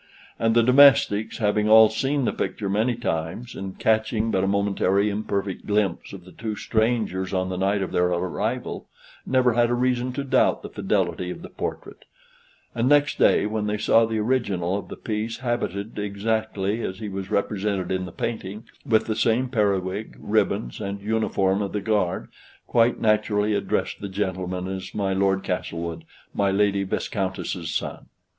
And the domestics having all seen the picture many times, and catching but a momentary imperfect glimpse of the two strangers on the night of their arrival, never had a reason to doubt the fidelity of the portrait; and next day, when they saw the original of the piece habited exactly as he was represented in the painting, with the same periwig, ribbons, and uniform of the Guard, quite naturally addressed the gentleman as my Lord Castlewood, my Lady Viscountess's son.